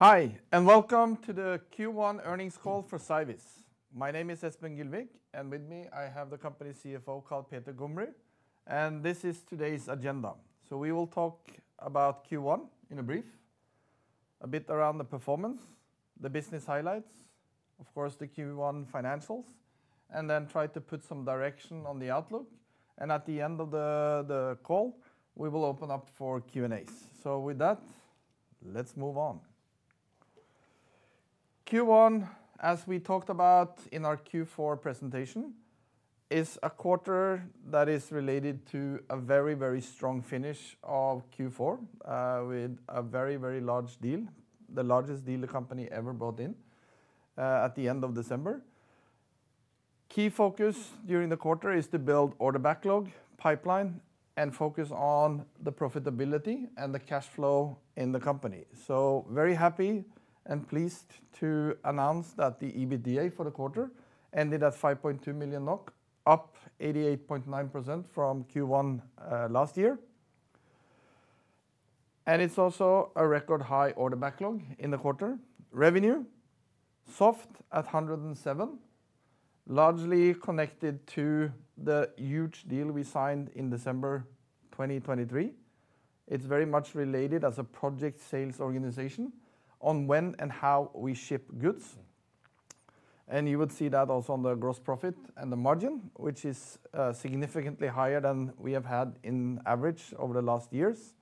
Hi, and welcome to the Q1 earnings call for Cyviz. My name is Espen Gylvik, and with me I have the Company's CFO, Karl Peter Gombrii. This is today's agenda. So we will talk about Q1 in brief, a bit around the performance, the business highlights, of course, the Q1 financials, and then try to put some direction on the outlook. And at the end of the call, we will open up for Q&As. So with that, let's move on. Q1, as we talked about in our Q4 presentation, is a quarter that is related to a very, very strong finish of Q4 with a very, very large deal, the largest deal the company ever brought in at the end of December. Key focus during the quarter is to build order backlog, pipeline, and focus on the profitability and the cash flow in the company. So very happy and pleased to announce that the EBITDA for the quarter ended at 5.2 million NOK, up 88.9% from Q1 last year. And it's also a record high order backlog in the quarter. Revenue soft at 107 million, largely connected to the huge deal we signed in December 2023. It's very much related as a project sales organization on when and how we ship goods. And you would see that also on the gross profit and the margin, which is significantly higher than we have had on average over the last years.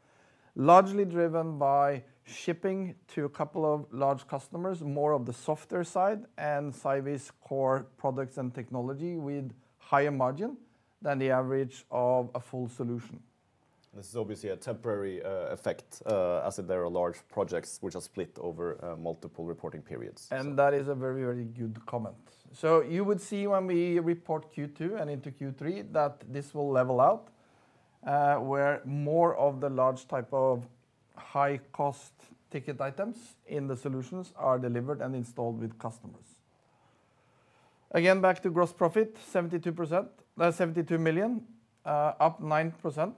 Largely driven by shipping to a couple of large customers, more of the software side, and Cyviz core products and technology with higher margin than the average of a full solution. This is obviously a temporary effect, as there are large projects which are split over multiple reporting periods. That is a very, very good comment. So you would see when we report Q2 and into Q3, that this will level out, where more of the large type of high-cost ticket items in the solutions are delivered and installed with customers. Again, back to gross profit, 72%- 72 million, up 9%,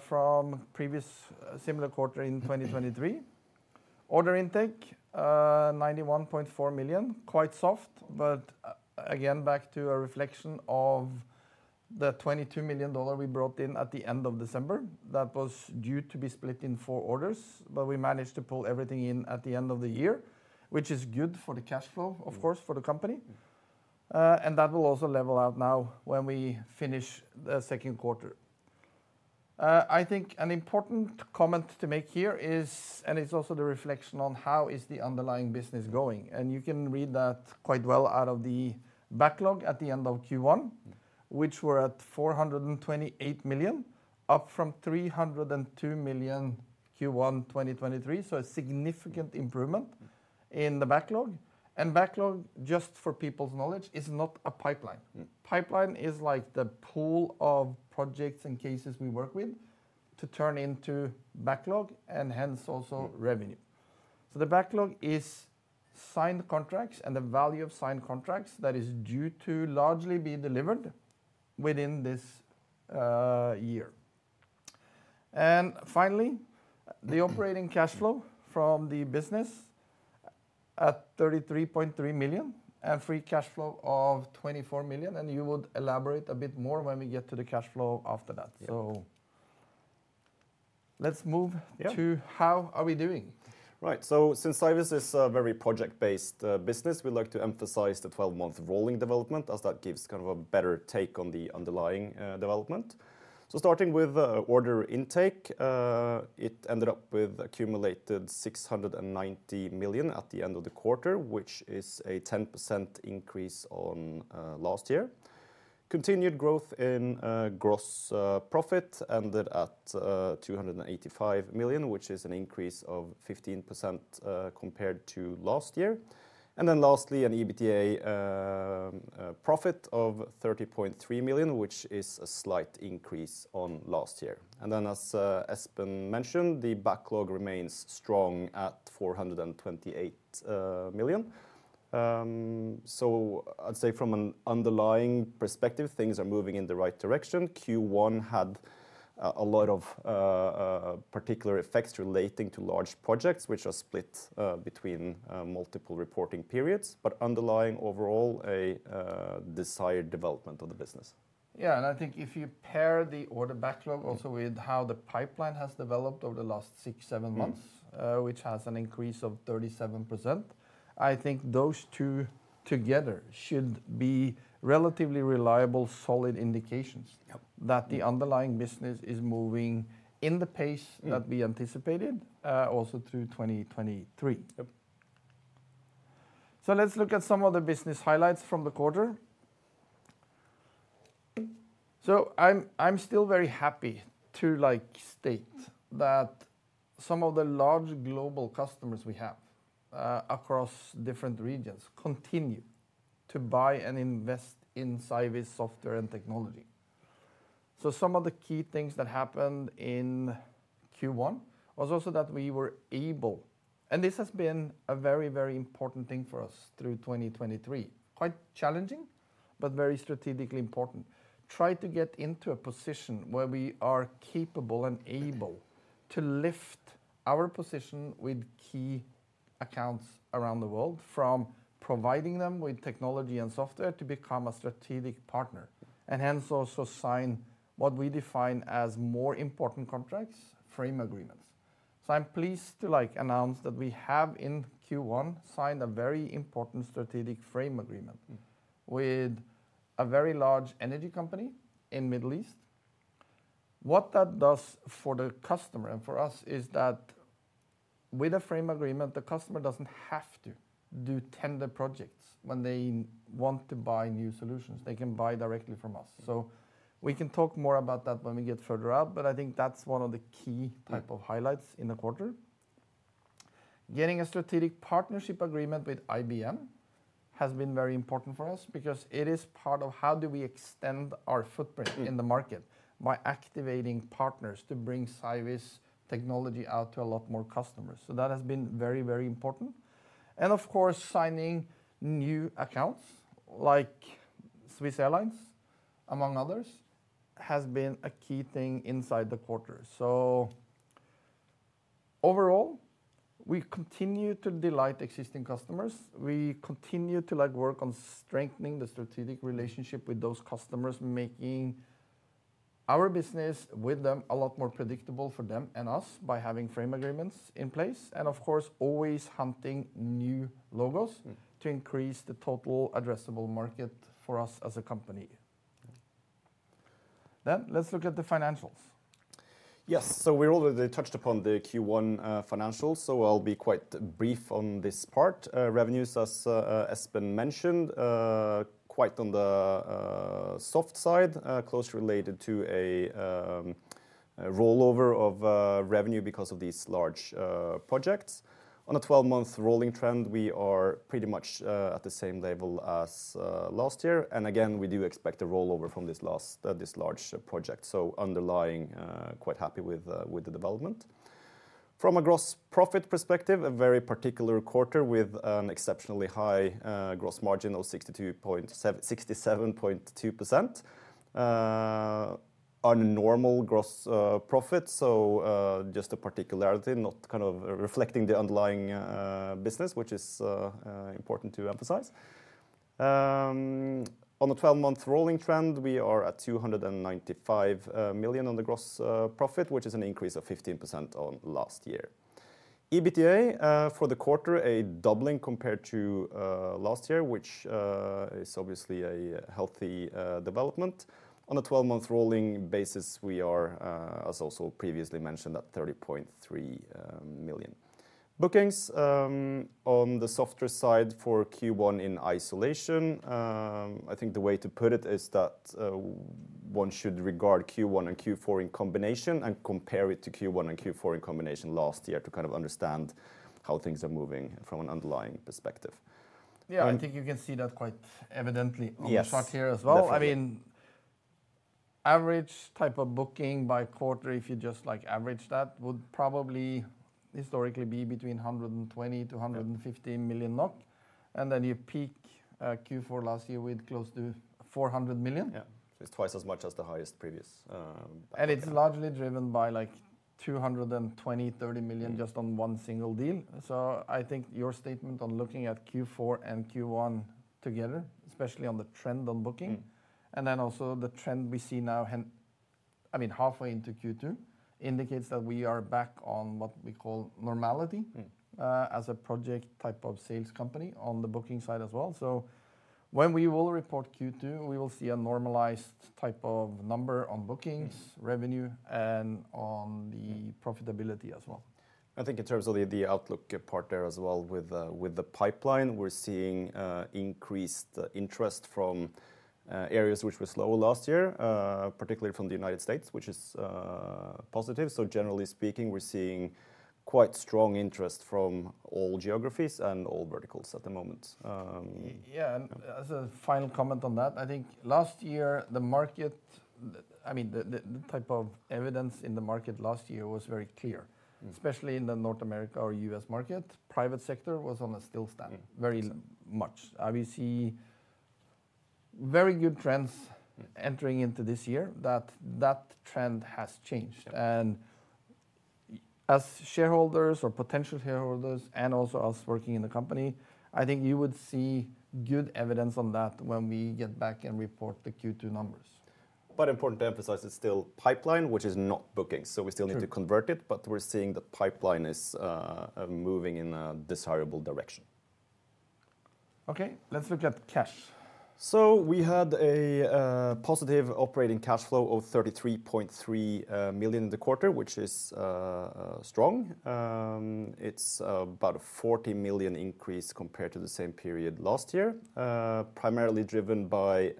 from previous similar quarter in 2023. Order intake, 91.4 million, quite soft, but, again, back to a reflection of the $22 million we brought in at the end of December. That was due to be split in four orders, but we managed to pull everything in at the end of the year, which is good for the cash flow, of course, for the company. And that will also level out now when we finish the second quarter. I think an important comment to make here is, and it's also the reflection on how is the underlying business going, and you can read that quite well out of the backlog at the end of Q1, which were at 428 million, up from 302 million Q1 2023. So a significant improvement in the backlog. And backlog, just for people's knowledge, is not a pipeline. Mm. Pipeline is like the pool of projects and cases we work with to turn into backlog and hence also revenue. So the backlog is signed contracts and the value of signed contracts that is due to largely be delivered within this year. And finally, the operating cash flow from the business at 33.3 million, and free cash flow of 24 million, and you would elaborate a bit more when we get to the cash flow after that. Yeah. So let's move- Yeah... to how are we doing? Right. So since Cyviz is a very project-based business, we like to emphasize the twelve-month rolling development, as that gives kind of a better take on the underlying development. So starting with order intake, it ended up with accumulated 690 million at the end of the quarter, which is a 10% increase on last year. Continued growth in gross profit ended at 285 million, which is an increase of 15% compared to last year. And then lastly, an EBITDA profit of 30.3 million, which is a slight increase on last year. And then, as Espen mentioned, the backlog remains strong at 428 million. So I'd say from an underlying perspective, things are moving in the right direction. Q1 had a lot of particular effects relating to large projects, which are split between multiple reporting periods, but underlying overall a desired development of the business. Yeah, and I think if you pair the order backlog also with how the pipeline has developed over the last six, seven months- Mm... which has an increase of 37%, I think those two together should be relatively reliable, solid indications- Yep... that the underlying business is moving in the pace- Mm... that we anticipated, also through 2023. Yep. So let's look at some of the business highlights from the quarter. So I'm still very happy to, like, state that some of the large global customers we have across different regions continue to buy and invest in Cyviz software and technology. So some of the key things that happened in Q1 was also that we were able. This has been a very, very important thing for us through 2023, quite challenging, but very strategically important. Try to get into a position where we are capable and able to lift our position with key accounts around the world, from providing them with technology and software to become a strategic partner, and hence also sign what we define as more important contracts, frame agreements. So I'm pleased to, like, announce that we have, in Q1, signed a very important strategic frame agreement. Mm with a very large energy company in Middle East. What that does for the customer and for us, is that with a frame agreement, the customer doesn't have to do tender projects when they want to buy new solutions. They can buy directly from us. Mm. So we can talk more about that when we get further out, but I think that's one of the key- Yeah Type of highlights in the quarter. Getting a strategic partnership agreement with IBM has been very important for us, because it is part of how do we extend our footprint in the market? By activating partners to bring Cyviz technology out to a lot more customers. So that has been very, very important. And of course, signing new accounts, like SWISS, among others, has been a key thing inside the quarter. So overall, we continue to delight existing customers. We continue to, like, work on strengthening the strategic relationship with those customers, making our business with them a lot more predictable for them and us by having frame agreements in place, and of course, always hunting new logos- Mm... to increase the total addressable market for us as a company. Then, let's look at the financials. Yes, so we already touched upon the Q1 financials, so I'll be quite brief on this part. Revenues, as Espen mentioned, quite on the soft side, closely related to a rollover of revenue because of these large projects. On a 12-month rolling trend, we are pretty much at the same level as last year, and again, we do expect a rollover from this large project, so underlying quite happy with the development. From a gross profit perspective, a very particular quarter with an exceptionally high gross margin of 67.2%. On a normal gross profit, so just a particularity, not kind of reflecting the underlying business, which is important to emphasize. On the 12-month rolling trend, we are at 295 million on the gross profit, which is an increase of 15% on last year. EBITDA for the quarter, a doubling compared to last year, which is obviously a healthy development. On a 12-month rolling basis, we are, as also previously mentioned, at 30.3 million. Bookings on the softer side for Q1 in isolation. I think the way to put it is that one should regard Q1 and Q4 in combination and compare it to Q1 and Q4 in combination last year to kind of understand how things are moving from an underlying perspective. And- Yeah, I think you can see that quite evidently- Yes... on the chart here as well. Definitely. I mean, average type of booking by quarter, if you just like average that, would probably historically be between 120 million-150 million NOK, and then you peak, Q4 last year with close to 400 million. Yeah. It's twice as much as the highest previous. It's largely driven by, like, 220 million-230 million. Mm... just on one single deal. So I think your statement on looking at Q4 and Q1 together, especially on the trend on booking- Mm... and then also the trend we see now, I mean, halfway into Q2, indicates that we are back on what we call normality. Mm... as a project type of sales company on the booking side as well. So when we will report Q2, we will see a normalized type of number on bookings- Mm... revenue, and on the profitability as well. I think in terms of the outlook part there as well, with the pipeline, we're seeing increased interest from areas which were slower last year, particularly from the United States, which is positive. So generally speaking, we're seeing quite strong interest from all geographies and all verticals at the moment. Yeah, and as a final comment on that, I think last year, the market, I mean, the type of evidence in the market last year was very clear. Mm. Especially in the North America or U.S. market, private sector was on a standstill- Mm... very much. We see very good trends- Mm... entering into this year, that trend has changed. Yeah. As shareholders or potential shareholders, and also us working in the company, I think you would see good evidence on that when we get back and report the Q2 numbers. Important to emphasize, it's still pipeline, which is not bookings. True. So we still need to convert it, but we're seeing the pipeline is moving in a desirable direction. Okay, let's look at cash. We had a positive operating cash flow of 33.3 million in the quarter, which is strong. It's about a 40 million increase compared to the same period last year, primarily driven by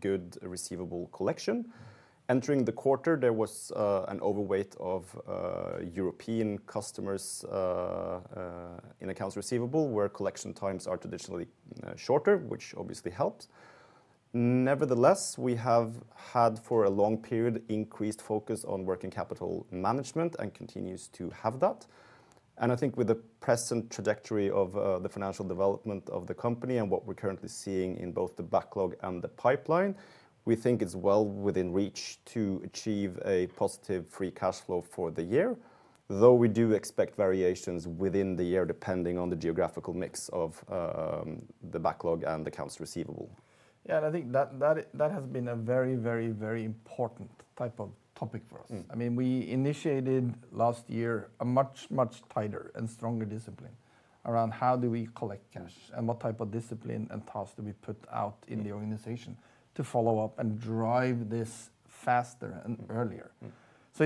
good receivable collection. Entering the quarter, there was an overweight of European customers in accounts receivable, where collection times are traditionally shorter, which obviously helped. Nevertheless, we have had, for a long period, increased focus on working capital management, and continues to have that. I think with the present trajectory of the financial development of the company and what we're currently seeing in both the backlog and the pipeline, we think it's well within reach to achieve a positive free cash flow for the year, though we do expect variations within the year, depending on the geographical mix of the backlog and accounts receivable. Yeah, and I think that has been a very, very, very important type of topic for us. Mm. I mean, we initiated last year a much, much tighter and stronger discipline around how do we collect cash- Yes... and what type of discipline and tasks do we put out in the organization? Mm to follow up and drive this faster and earlier? Mm.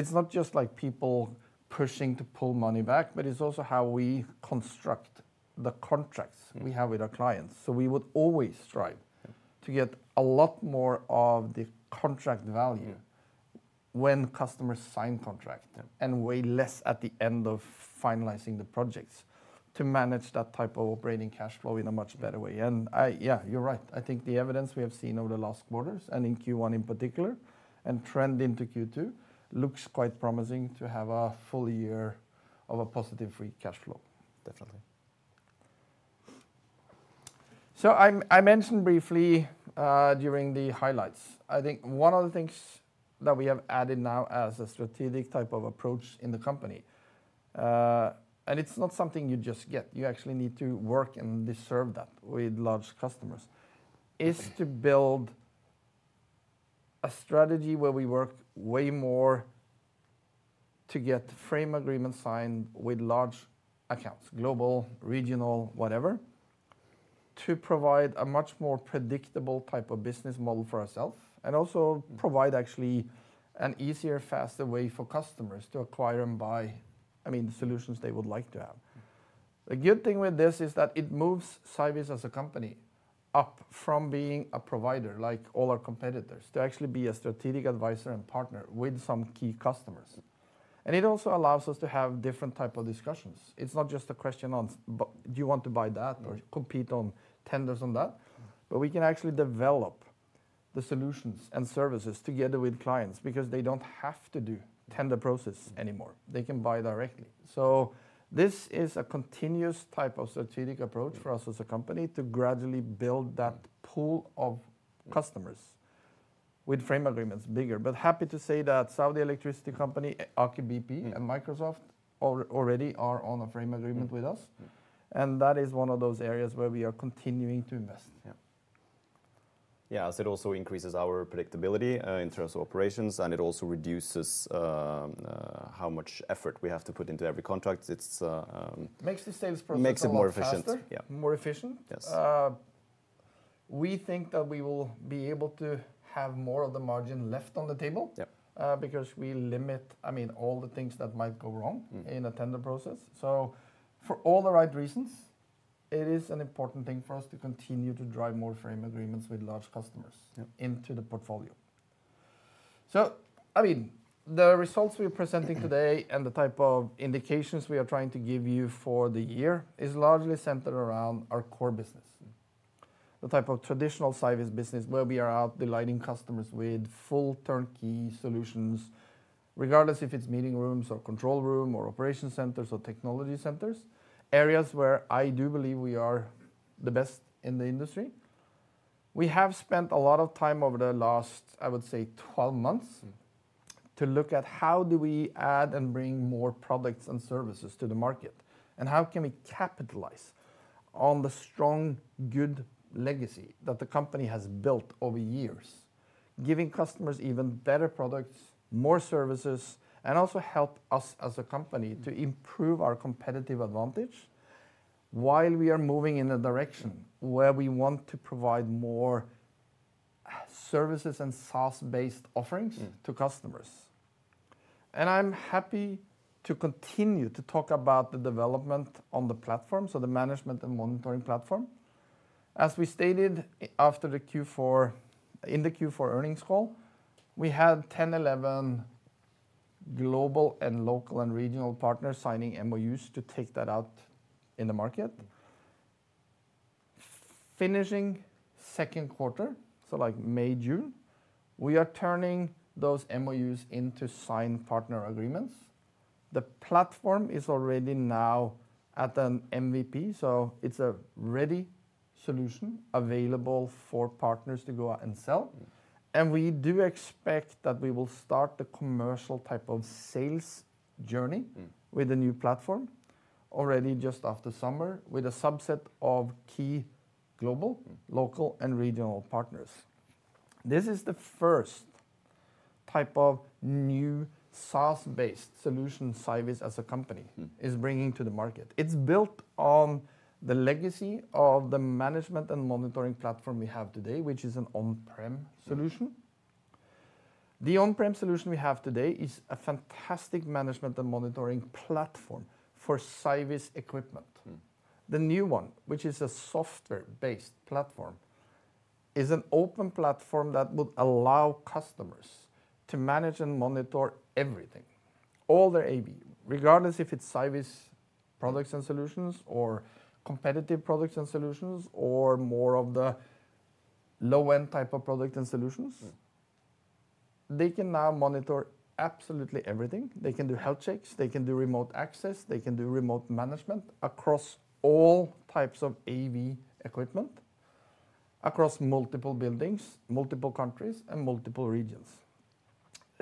It's not just like people pushing to pull money back, but it's also how we construct the contracts. Mm... we have with our clients. So we would always strive- Yeah... to get a lot more of the contract value- Mm... when customers sign contract. Yeah. And way less at the end of finalizing the projects, to manage that type of operating cash flow in a much better way. And I, yeah, you're right. I think the evidence we have seen over the last quarters, and in Q1 in particular, and trend into Q2, looks quite promising to have a full year of a positive free cash flow. Definitely. So I mentioned briefly during the highlights, I think one of the things that we have added now as a strategic type of approach in the company, and it's not something you just get, you actually need to work and deserve that with large customers- Mm... is to build a strategy where we work way more to get frame agreement signed with large accounts, global, regional, whatever, to provide a much more predictable type of business model for ourselves, and also- Mm... provide actually an easier, faster way for customers to acquire and buy, I mean, the solutions they would like to have. Mm. The good thing with this is that it moves Cyviz as a company up from being a provider, like all our competitors, to actually be a strategic advisor and partner with some key customers. It also allows us to have different type of discussions. It's not just a question of do you want to buy that or compete on tenders on that, but we can actually develop the solutions and services together with clients, because they don't have to do tender process anymore. Mm. They can buy directly. So this is a continuous type of strategic approach- Mm... for us as a company to gradually build that pool of customers- Mm... with frame agreements bigger. But happy to say that Saudi Electricity Company, ACWA Power- Mm... and Microsoft already are on a frame agreement with us. Mm-mm. That is one of those areas where we are continuing to invest. Yeah. Yeah, as it also increases our predictability in terms of operations, and it also reduces how much effort we have to put into every contract. It's Makes the sales process a lot faster. Makes it more efficient. Yeah. More efficient. Yes. We think that we will be able to have more of the margin left on the table- Yeah... because we limit, I mean, all the things that might go wrong- Mm... in a tender process. So for all the right reasons, it is an important thing for us to continue to drive more frame agreements with large customers- Yeah... into the portfolio. So, I mean, the results we're presenting today- Mm... and the type of indications we are trying to give you for the year is largely centered around our core business. The type of traditional Cyviz business where we are out delighting customers with full turnkey solutions, regardless if it's meeting rooms or control room or operation centers or technology centers, areas where I do believe we are the best in the industry. We have spent a lot of time over the last, I would say, 12 months- Mm... to look at how do we add and bring more products and services to the market, and how can we capitalize on the strong, good legacy that the company has built over years, giving customers even better products, more services, and also help us as a company- Mm... to improve our competitive advantage while we are moving in a direction where we want to provide more services and SaaS-based offerings- Mm... to customers. I'm happy to continue to talk about the development on the platform, so the management and monitoring platform. As we stated, after the Q4, in the Q4 earnings call, we had 10, 11 global and local and regional partners signing MOUs to take that out in the market. Finishing second quarter, so like May, June, we are turning those MOUs into signed partner agreements. The platform is already now at an MVP, so it's a ready solution available for partners to go out and sell. Mm. We do expect that we will start the commercial type of sales journey- Mm... with the new platform already just after summer, with a subset of key global- Mm... local and regional partners. This is the first type of new SaaS-based solution Cyviz as a company- Mm... is bringing to the market. It's built on the legacy of the management and monitoring platform we have today, which is an on-prem solution. Mm. The on-prem solution we have today is a fantastic management and monitoring platform for Cyviz equipment. Mm. The new one, which is a software-based platform, is an open platform that would allow customers to manage and monitor everything.... all their AV, regardless if it's Cyviz products and solutions or competitive products and solutions or more of the low-end type of product and solutions. Mm. They can now monitor absolutely everything. They can do health checks, they can do remote access, they can do remote management across all types of AV equipment, across multiple buildings, multiple countries, and multiple regions.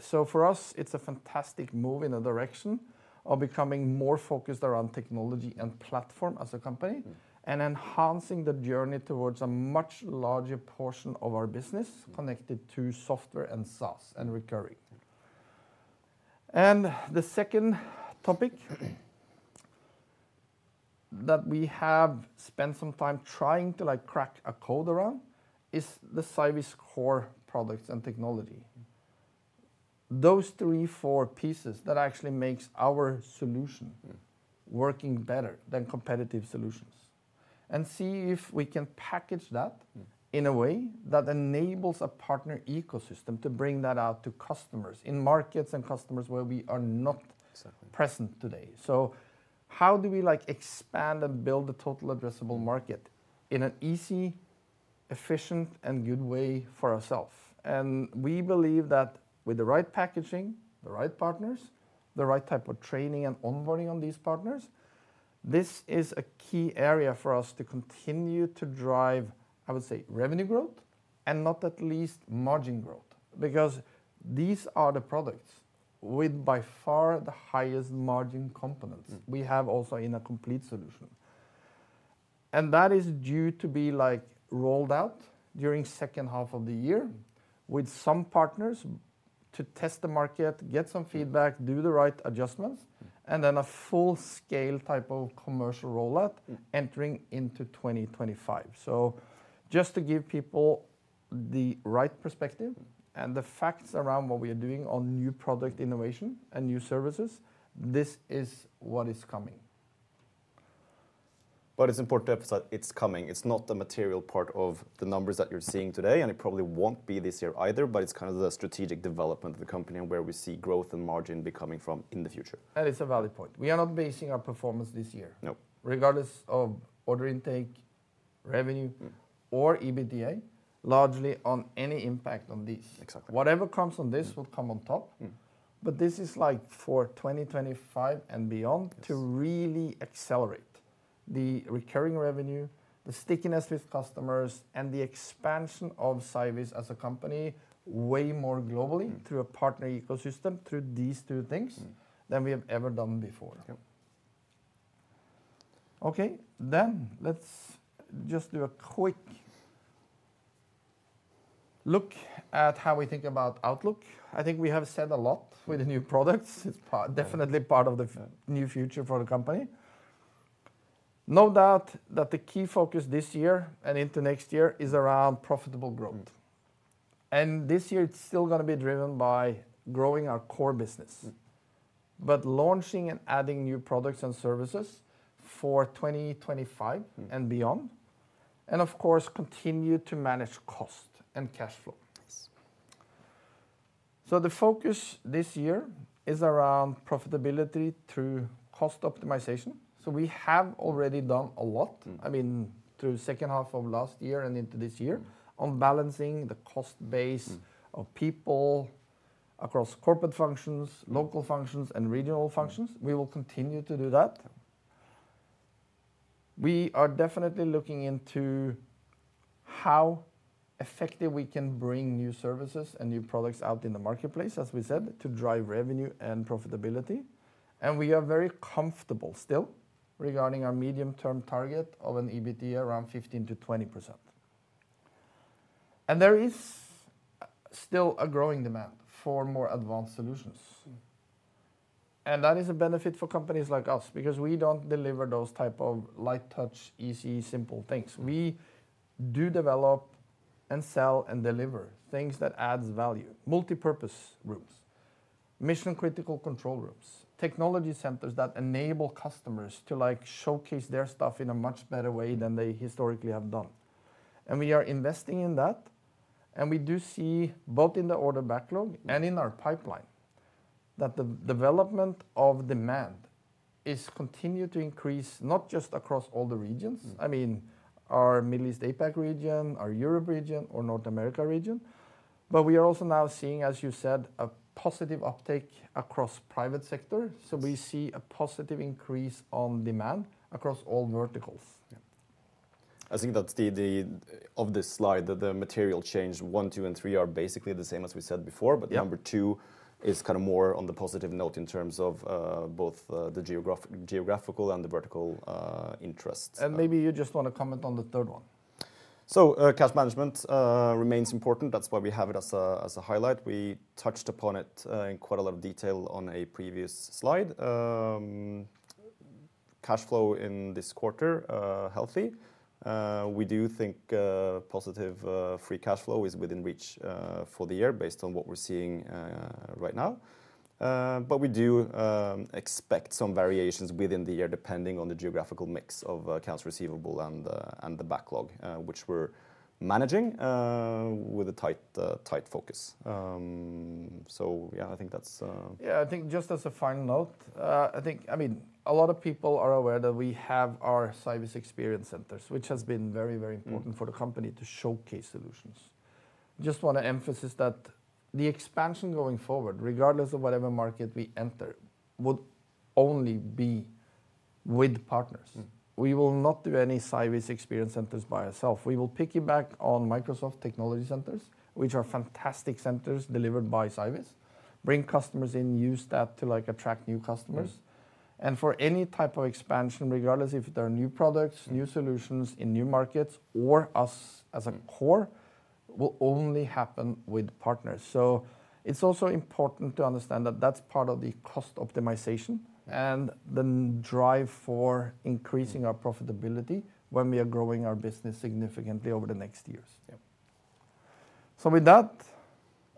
So for us, it's a fantastic move in the direction of becoming more focused around technology and platform as a company. Mm ...and enhancing the journey toward a much larger portion of our business. Mm connected to software and SaaS and recurring. Yeah. The second topic that we have spent some time trying to, like, crack a code around is the Cyviz core products and technology. Those three, four pieces that actually makes our solution- Mm... working better than competitive solutions, and see if we can package that- Mm... in a way that enables a partner ecosystem to bring that out to customers, in markets and customers where we are not- Exactly... present today. So how do we, like, expand and build the total addressable market- Mm... in an easy, efficient, and good way for ourself? And we believe that with the right packaging, the right partners, the right type of training and onboarding on these partners, this is a key area for us to continue to drive, I would say, revenue growth, and not at least margin growth. Because these are the products with by far the highest margin components- Mm ...we have also in a complete solution. That is due to be, like, rolled out during second half of the year with some partners to test the market, get some feedback, do the right adjustments- Mm... and then a full-scale type of commercial rollout- Mm... entering into 2025. So just to give people the right perspective and the facts around what we are doing on new product innovation and new services, this is what is coming. It's important to emphasize it's coming. It's not a material part of the numbers that you're seeing today, and it probably won't be this year either, but it's kind of the strategic development of the company and where we see growth and margin be coming from in the future. It's a valid point. We are not basing our performance this year- No... regardless of order intake, revenue- Mm... or EBITDA, largely on any impact on this. Exactly. Whatever comes on this- Mm... will come on top. Mm. But this is, like, for 2025 and beyond- Yes... to really accelerate the recurring revenue, the stickiness with customers, and the expansion of Cyviz as a company way more globally- Mm... through a partner ecosystem, through these two things- Mm... than we have ever done before. Yep. Okay, then let's just do a quick look at how we think about outlook. I think we have said a lot with the new products. Mm. It's definitely part of the new future for the company. No doubt that the key focus this year and into next year is around profitable growth. Mm. This year it's still gonna be driven by growing our core business- Mm... but launching and adding new products and services for 2025- Mm... and beyond, and of course, continue to manage cost and cash flow. Yes. So the focus this year is around profitability through cost optimization. So we have already done a lot- Mm... I mean, through second half of last year and into this year, on balancing the cost base- Mm... of people across corporate functions, local functions, and regional functions. Mm. We will continue to do that. We are definitely looking into how effective we can bring new services and new products out in the marketplace, as we said, to drive revenue and profitability. We are very comfortable still regarding our medium-term target of an EBITDA around 15%-20%. There is still a growing demand for more advanced solutions. Mm. That is a benefit for companies like us, because we don't deliver those type of light touch, easy, simple things. Mm. We do develop and sell and deliver things that adds value: multipurpose rooms, mission-critical control rooms, technology centers that enable customers to, like, showcase their stuff in a much better way than they historically have done. And we are investing in that, and we do see, both in the order backlog and in our pipeline, that the development of demand is continue to increase, not just across all the regions- Mm... I mean, our Middle East APAC region, our Europe region, or North America region, but we are also now seeing, as you said, a positive uptake across private sector. Yes. We see a positive increase on demand across all verticals. Yeah. I think that's the... of this slide, the material change, one, two, and three are basically the same as we said before- Yep... but number two is kind of more on the positive note in terms of both the geographical and the vertical interests. Maybe you just wanna comment on the third one. So, cash management remains important. That's why we have it as a highlight. We touched upon it in quite a lot of detail on a previous slide. Cash flow in this quarter healthy. We do think positive free cash flow is within reach for the year based on what we're seeing right now. But we do expect some variations within the year, depending on the geographical mix of accounts receivable and the backlog, which we're managing with a tight focus. So yeah, I think that's. Yeah, I think just as a final note, I think, I mean, a lot of people are aware that we have our Cyviz Experience Centers, which has been very, very important- Mm... for the company to showcase solutions. Just wanna emphasize that the expansion going forward, regardless of whatever market we enter, would only be with partners. Mm. We will not do any Cyviz Experience Centers by ourselves. We will piggyback on Microsoft Technology Centers, which are fantastic centers delivered by Cyviz, bring customers in, use that to, like, attract new customers. Mm. For any type of expansion, regardless if there are new products- Mm... new solutions in new markets or us as a core- Mm... will only happen with partners. So it's also important to understand that that's part of the cost optimization and the drive for increasing- Mm... our profitability when we are growing our business significantly over the next years. Yeah. So with that,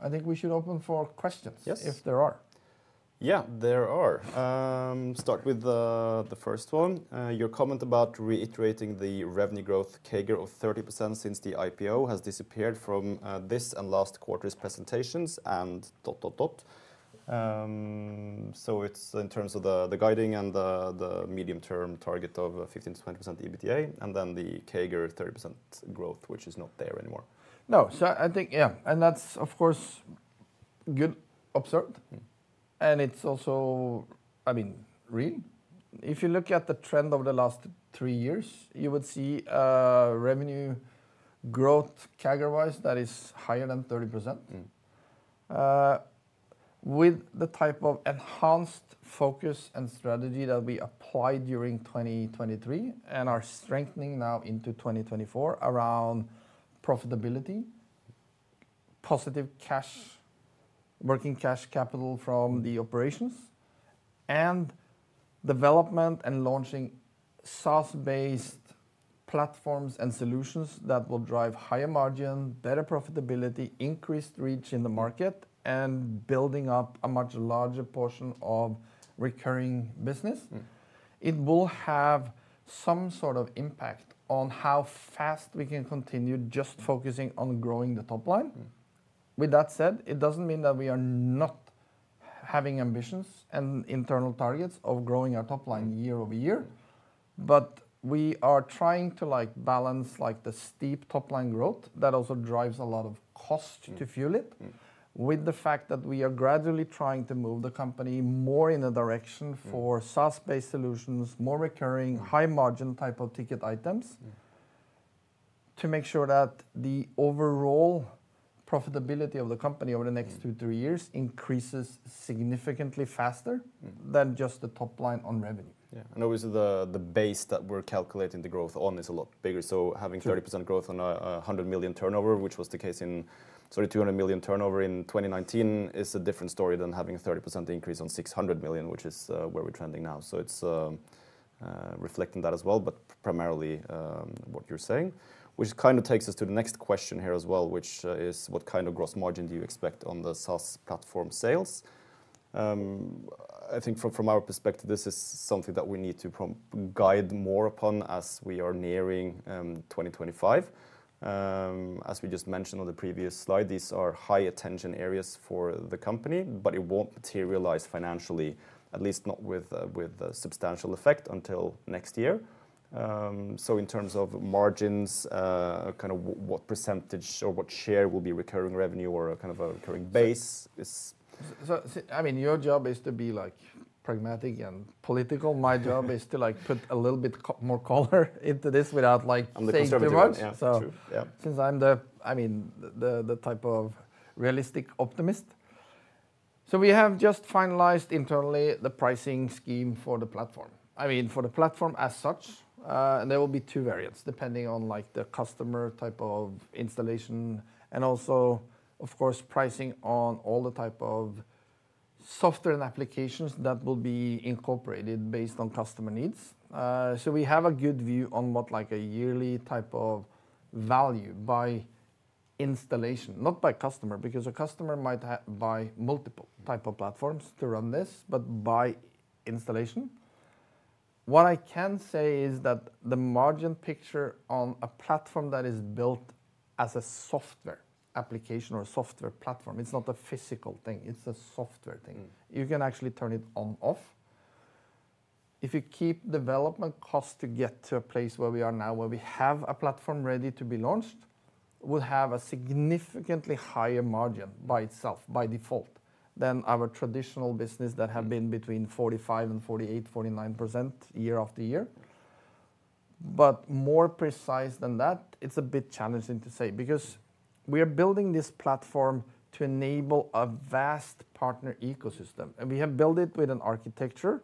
I think we should open for questions. Yes... if there are. Yeah, there are. Start with the first one. Your comment about reiterating the revenue growth CAGR of 30% since the IPO has disappeared from this and last quarter's presentations, and.... So it's in terms of the guiding and the medium-term target of 15%-20% EBITDA, and then the CAGR 30% growth, which is not there anymore. No. So I think, yeah, and that's, of course, good observed. Mm. It's also... I mean, really, if you look at the trend over the last three years, you would see, revenue growth, CAGR-wise, that is higher than 30%. Mm. With the type of enhanced focus and strategy that we applied during 2023 and are strengthening now into 2024 around profitability, positive cash- Mm... working cash capital from the operations, and development and launching SaaS-based platforms and solutions that will drive higher margin, better profitability, increased reach in the market, and building up a much larger portion of recurring business. Mm. It will have some sort of impact on how fast we can continue just focusing on growing the top line. Mm. With that said, it doesn't mean that we are not having ambitions and internal targets of growing our top line year-over-year, but we are trying to, like, balance, like, the steep top-line growth that also drives a lot of cost- Mm... to fuel it- Mm... with the fact that we are gradually trying to move the company more in a direction- Mm... for SaaS-based solutions, more recurring- Mm... high-margin type of ticket items- Mm... to make sure that the overall profitability of the company over the next- Mm... 2, 3 years increases significantly faster- Mm... than just the top line on revenue. Yeah, and obviously, the base that we're calculating the growth on is a lot bigger. So having- Sure... 30% growth on 100 million turnover, which was the case in sort of 200 million turnover in 2019, is a different story than having a 30% increase on 600 million, which is where we're trending now. So it's reflecting that as well, but primarily what you're saying, which kind of takes us to the next question here as well, which is: What kind of gross margin do you expect on the SaaS platform sales? I think from our perspective, this is something that we need to provide guidance more upon as we are nearing 2025. As we just mentioned on the previous slide, these are high-attention areas for the company, but it won't materialize financially, at least not with a substantial effect until next year. So in terms of margins, kind of what percentage or what share will be recurring revenue or a kind of a recurring base is- I mean, your job is to be, like, pragmatic and political. My job is to, like, put a little bit more color into this without, like- I'm the conservative one.... saying too much. Yeah, true. So- Yeah... since I'm, I mean, the type of realistic optimist. So we have just finalized internally the pricing scheme for the platform, I mean, for the platform as such. And there will be two variants, depending on, like, the customer type of installation, and also, of course, pricing on all the type of software and applications that will be incorporated based on customer needs. So we have a good view on what, like, a yearly type of value by installation, not by customer, because a customer might buy multiple type of platforms to run this, but by installation. What I can say is that the margin picture on a platform that is built as a software application or software platform, it's not a physical thing, it's a software thing- Mm... you can actually turn it on/off. If you keep development cost to get to a place where we are now, where we have a platform ready to be launched, will have a significantly higher margin by itself, by default, than our traditional business that have been- Mm... between 45% and 48%-49% year after year. But more precise than that, it's a bit challenging to say, because we are building this platform to enable a vast partner ecosystem, and we have built it with an architecture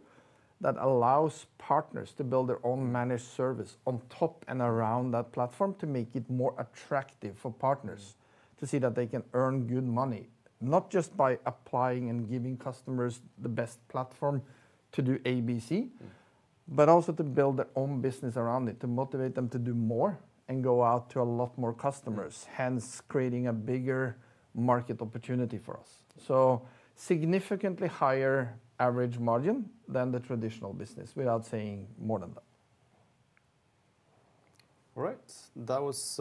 that allows partners to build their own managed service on top and around that platform to make it more attractive for partners- Mm... to see that they can earn good money, not just by applying and giving customers the best platform to do A, B, C- Mm... but also to build their own business around it, to motivate them to do more and go out to a lot more customers- Mm... hence creating a bigger market opportunity for us. So significantly higher average margin than the traditional business, without saying more than that. All right. That was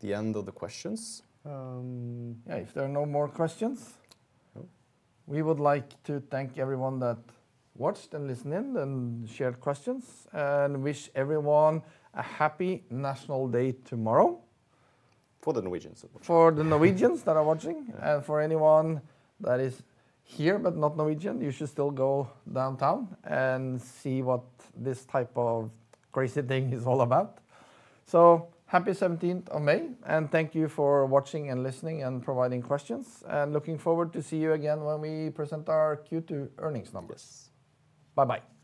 the end of the questions. Yeah, if there are no more questions. No... we would like to thank everyone that watched and listened in and shared questions, and wish everyone a happy National Day tomorrow. For the Norwegians, of course. For the Norwegians that are watching- Yeah... and for anyone that is here but not Norwegian, you should still go downtown and see what this type of crazy thing is all about. So Happy 17th of May, and thank you for watching and listening and providing questions, and looking forward to see you again when we present our Q2 earnings numbers. Yes. Bye-bye.